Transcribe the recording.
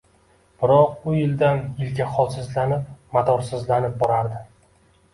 Biroq u yildan yilga holsizlanib, madorsizlanib borardi.